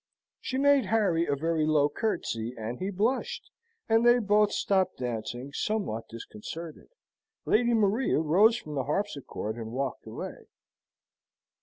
She made Harry a very low curtsey, and he blushed, and they both stopped dancing, somewhat disconcerted. Lady Maria rose from the harpsichord and walked away.